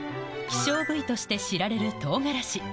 希少部位として知られるとうがらし